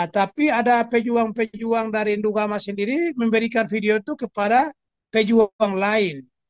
tapi ada pejuang pejuang dari ndugama sendiri memberikan video itu kepada pejuang lain